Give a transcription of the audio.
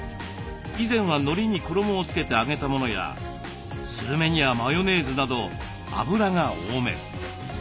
以前はのりに衣を付けて揚げたものやスルメにはマヨネーズなど油が多め。